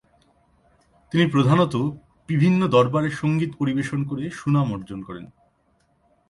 তিনি প্রধানত বিভিন্ন দরবারে সংগীত পরিবেশন করে সুনাম অর্জন করেন।